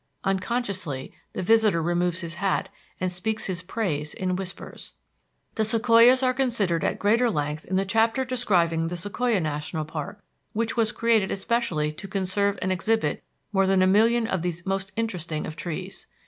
Unconsciously the visitor removes his hat and speaks his praise in whispers. The sequoias are considered at greater length in the chapter describing the Sequoia National Park, which was created especially to conserve and exhibit more than a million of these most interesting of trees.